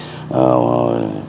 để cho nhân dân